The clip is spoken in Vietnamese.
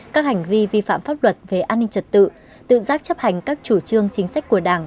các hành vi vi phạm pháp luật về an ninh trật tự tự giác chấp hành các chủ trương chính sách của đảng